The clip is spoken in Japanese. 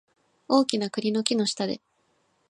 大きな栗の木の下で